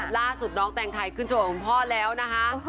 ล่าสุดน้องแตงไทยขึ้นโชว์ของคุณพ่อแล้วนะคะ